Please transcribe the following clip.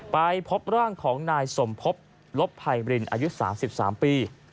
ไปพบร่างของนายสมพบลบภัยบรินอายุ๓๓ปี